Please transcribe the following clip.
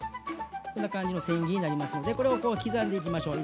こんな感じのせん切りになりますのでこれをこう刻んでいきましょう。